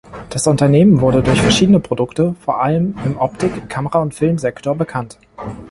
Das Unternehmen wurde durch verschiedene Produkte, vor allem im Optik-, Kamera- und Film-Sektor bekannt.